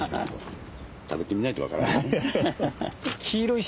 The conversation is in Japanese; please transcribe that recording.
食べてみないと分からんね。